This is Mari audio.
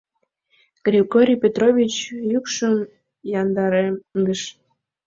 Григорий Петрович йӱкшым яндаремдыш.